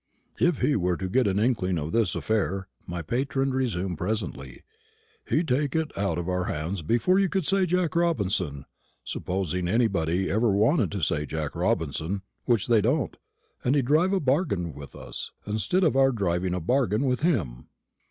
"If he were to get an inkling of this affair," my patron resumed presently, "he'd take it out of our hands before you could say Jack Robinson supposing anybody ever wanted to say Jack Robinson, which they don't and he'd drive a bargain with us, instead of our driving a bargain with him."